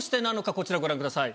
こちらをご覧ください。